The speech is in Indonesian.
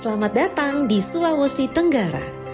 selamat datang di sulawesi tenggara